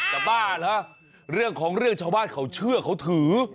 บ้าเหรอเรื่องของเรื่องชาวบ้านเขาเชื่อเขาถือ